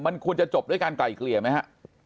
มันควรจะจบด้วยการไกลเกลี่ยไหมฮะ